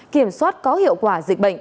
kiểm soát có hiệu quả dịch bệnh